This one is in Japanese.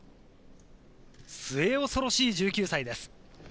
末恐ろしい１９歳です。